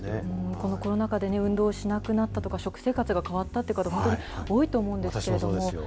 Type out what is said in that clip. このコロナ禍で運動しなくなったとか、食生活が変わったっていう方、本当に多いと思うんですけれども。